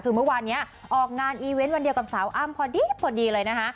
คือเมื่อวานนี้ออกงานอีเวนต์วันเดียวกับสาวอ้ำพอดีพอดีเลยนะคะ